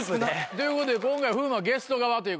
ということで今回風磨はゲスト側ということで。